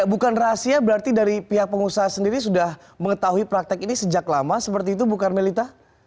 bukan rahasia berarti dari pihak pengusaha sendiri sudah mengetahui praktek ini sejak lama seperti itu bukan melita